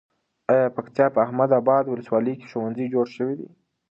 ایا د پکتیا په احمد اباد ولسوالۍ کې ښوونځي جوړ شوي دي؟